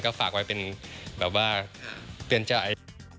ก็ฝากไว้เป็นแบบว่าเตือนใจ